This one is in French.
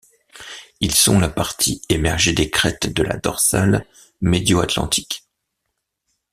Ils sont la partie émergée des crêtes de la dorsale médio-atlantique.